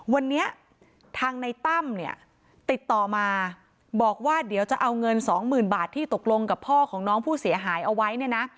วันนี้ทางในตั้มเนี่ยติดต่อมาบอกว่าเดี๋ยวจะเอาเงินสองหมื่นบาทที่ตกลงกับพ่อของน้องผู้เสียหายเอาไว้เนี่ยนะ